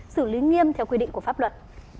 xử lý nghiêm theo quy định của pháp luật